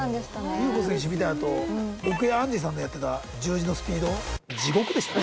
ゆーふぉ選手見たあと僕やアンジェさんのやってた十字のスピード地獄でしたね。